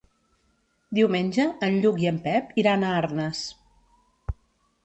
Diumenge en Lluc i en Pep iran a Arnes.